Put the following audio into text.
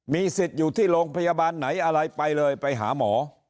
มีสิทธิ์อยู่ที่โรงพยาบาลไหนอะไรไปเลยไปหาหมอ